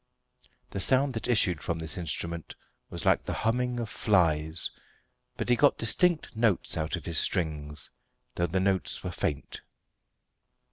The sound that issued from his instrument was like the humming of flies, but he got distinct notes out of his strings, though the notes were faint.